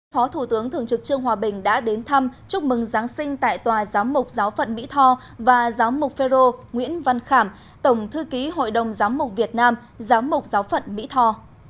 phó thủ tướng thường trực trương hòa bình đã đến thăm chúc mừng giáng sinh tại tòa giám mục giáo phận mỹ tho và giám mục phê rô nguyễn văn khảm tổng thư ký hội đồng giám mục việt nam giám mục giáo phận mỹ tho